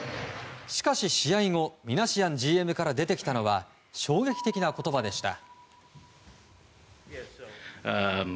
しかし、試合後ミナシアンＧＭから出てきたのは衝撃的な言葉でした。